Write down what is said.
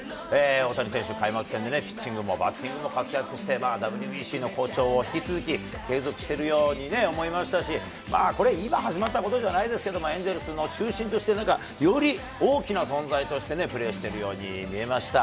大谷選手、開幕戦でね、ピッチングもバッティングも活躍して、ＷＢＣの好調を、引き続き継続しているようにね、思いましたし、これ、今始まったことじゃないですけど、エンゼルスの中心として、なんかより大きな存在としてね、プレーしているように見えました。